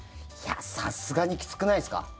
さすがにきつくないですか？